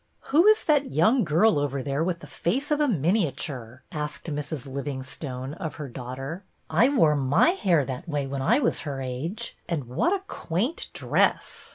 " Who is that young girl over there with the face of a miniature 1 " asked Mrs. Living stone of her daughter. " I wore my hair that way when I was her age ; and what a quaint dress